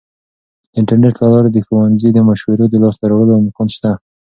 د انټرنیټ له لارې د ښوونځي د مشورو د لاسته راوړلو امکان شته.